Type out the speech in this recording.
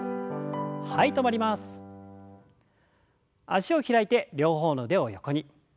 脚を開いて両方の腕を横に。